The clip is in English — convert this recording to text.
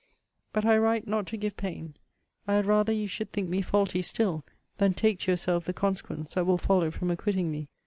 But I write not to give pain. I had rather you should think me faulty still, than take to yourself the consequence that will follow from acquitting me.